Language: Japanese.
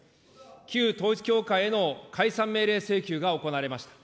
旧統一教会への解散命令請求が行われました。